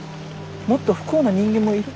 もっと不幸な人間もいる。